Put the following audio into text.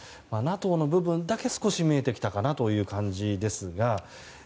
ＮＡＴＯの部分だけ少し見えてきたかなという感じですが。